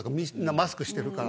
マスクしてるから。